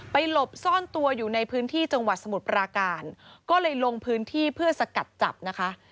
หลบซ่อนตัวอยู่ในพื้นที่จังหวัดสมุทรปราการก็เลยลงพื้นที่เพื่อสกัดจับนะคะ